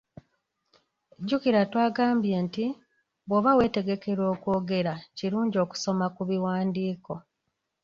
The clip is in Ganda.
Jjukira twagambye nti bw’oba weetegekera okwogera kirungi okusoma ku biwandiiko.